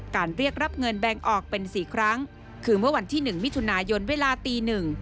เรียกรับเงินแบ่งออกเป็น๔ครั้งคือเมื่อวันที่๑มิถุนายนเวลาตีหนึ่ง